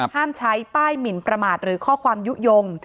ห้ามใช้ป้ายหมินประมาทหรือข้อความยุโยง